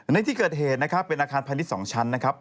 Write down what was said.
ในที่เกิดเหตุนะครับเป็นอาคารพาณิชย์๒ชั้นนะครับ